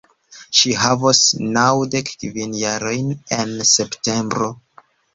Ŝi havos naŭdek kvin jarojn en septembro.